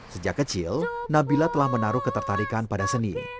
sejak kecil nabila telah menaruh ketertarikan pada seni